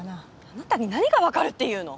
あなたに何が分かるっていうの？